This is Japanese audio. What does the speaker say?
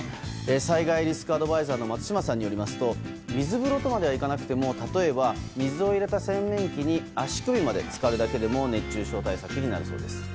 災害リスクアドバイザーの松島さんによりますと水風呂とまではいかなくても例えば水を入れた洗面器に足首まで浸かるだけでも熱中症対策になるそうです。